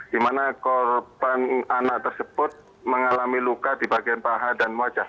di mana korban anak tersebut mengalami luka di bagian paha dan wajah